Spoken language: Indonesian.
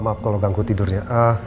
maaf kalau ganggu tidurnya